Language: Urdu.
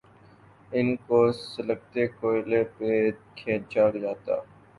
ان کو سلگتے کوئلوں پہ کھینچا جاتا۔